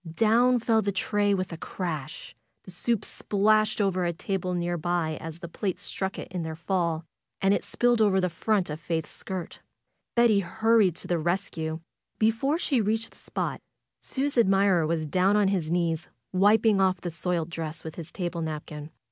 Down fell the tray with a crash The soup splashed over a table near by as the plates struck it in their fall, and it spilled over the front of Faith's skirt. Betty hurried to the rescue. Before she reached the spot, Sue's admirer was down on his knees wiping off the soiled dress with his table napkin.